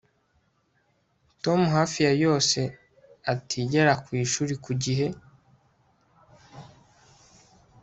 Tom hafi ya yose atigera ku ishuri ku gihe